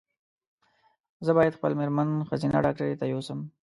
زه باید خپل مېرمن ښځېنه ډاکټري ته یو سم